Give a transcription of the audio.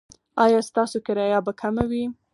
ایا ستاسو کرایه به کمه وي؟